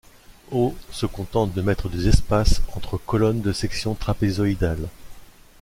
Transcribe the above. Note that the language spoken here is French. Hoe se contente de mettre des espaces entre colonnes de section trapézoïdale.